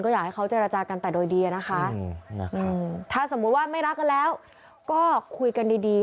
อยากให้เขาเจรจากันแต่โดยดีนะคะถ้าสมมุติว่าไม่รักกันแล้วก็คุยกันดี